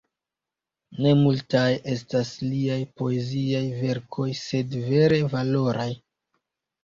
Ne multaj estas liaj poeziaj verkoj, sed vere valoraj.